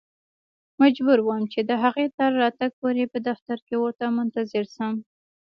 مجبور وم چې د هغې تر راتګ پورې په دفتر کې ورته منتظر شم.